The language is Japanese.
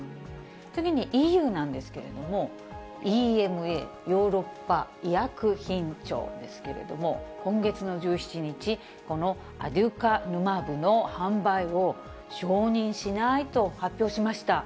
次にＥＵなんですけれども、ＥＭＡ・ヨーロッパ医薬品庁ですけれども、今月の１７日、このアデュカヌマブの販売を承認しないと発表しました。